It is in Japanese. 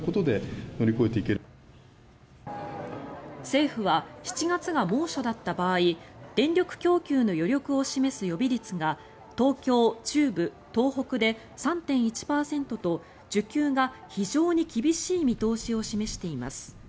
政府は７月が猛暑だった場合電力供給の余裕を示す予備率が東京、中部、東北で３．１％と需給が非常に厳しい見通しを示しています。